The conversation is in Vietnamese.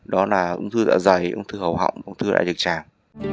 đó là ống thư dạ dày ống thư hầu họng ống thư đại trực tràng